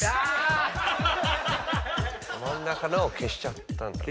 真ん中のを消しちゃったんだね。